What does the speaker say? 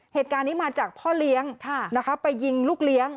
เหตุการณ์นี้มาจากพ่อเลี้ยงไปยิงลูกเลี้ยง